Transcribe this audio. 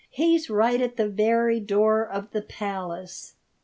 "He's right at the very door of the Palace."